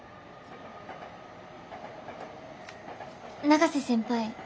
永瀬先輩